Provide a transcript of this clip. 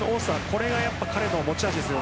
これが彼の持ち味です。